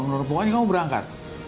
menurut pokoknya kamu berangkat